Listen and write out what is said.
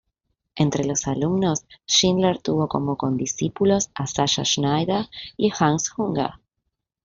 Entre los alumnos, Schindler tuvo como condiscípulos a Sascha Schneider y Hans Unger.